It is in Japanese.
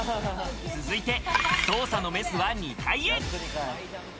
続いて捜査のメスは２階へ。